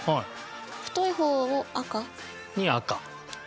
太い方を赤？に赤。